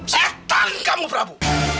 setan kamu prabu